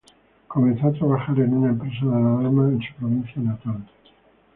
Comenzó a trabajar en una empresa de alarmas en su provincia natal.